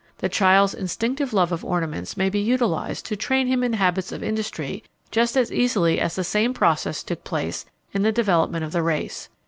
The child's instinctive love of ornaments may be utilized to train him in habits of industry just as easily as the same process took place in the development of the race.